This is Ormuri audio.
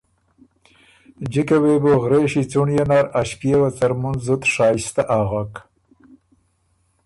جکه وې بو غرېݭی څنړيې نر ا ݭپئېوه څرمُن زُت شائسته اغک۔